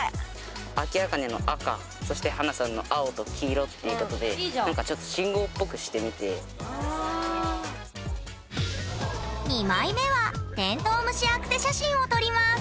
アキアカネの赤そして華さんの青と黄色っていうことで何かちょっと２枚目は「テントウムシアクセ」写真を撮ります